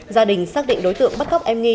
gia đình xác định đối tượng bắt cóc em nghi